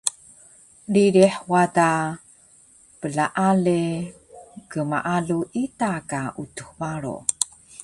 ririh wada plaale gmaalu ita ka Utux Baro